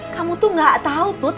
kamu tuh gak tau tut